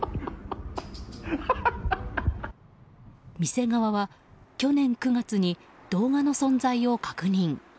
店側は、去年９月に動画の存在を確認。